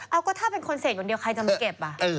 เอาก็ถ้าเป็นคนเสพคนเดียวใครจะมาเก็บ